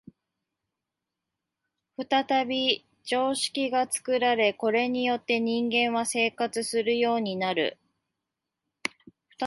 再び常識が作られ、これによって人間は生活するようになる。